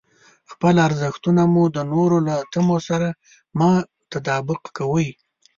خپل ارزښتونه مو د نورو له تمو سره مه تطابق کوئ.